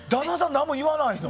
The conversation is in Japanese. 何も言わない。